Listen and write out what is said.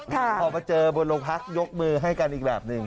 พอมาเจอบนโรงพักยกมือให้กันอีกแบบหนึ่ง